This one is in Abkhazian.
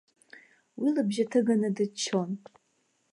Уи лыбжьы ҭыганы дыччон.